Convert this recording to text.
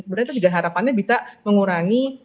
sebenarnya itu juga harapannya bisa mengurangi